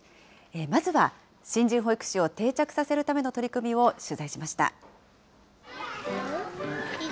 まずは新人保育士を定着させるための取り組みを取材しました。